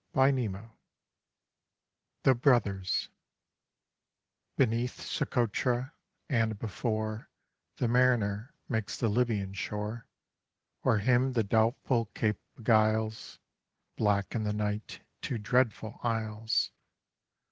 THE BROTHERS Beneath Socotra, and before The mariner makes the Libyan shore, Or him the Doubtful Cape beguiles, Black in the Night two dreadful Isles.